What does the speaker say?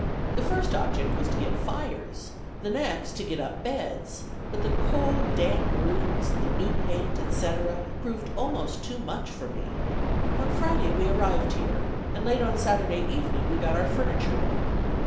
The first object was to get fires; the next to get up beds; but the cold, damp rooms, the new paint, etc., proved almost too much for me. On Friday we arrived here, and late on Saturday evening we got our furniture in.